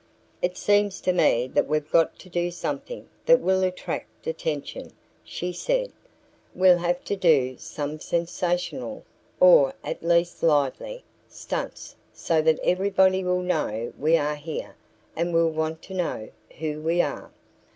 "It seems to me that we've got to do something that will attract attention," she said. "We'll have to do some sensational, or at least lively, stunts so that everybody will know we are here and will want to know who we are."